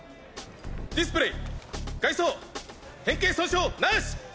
ディスプレイ外装変形損傷無し。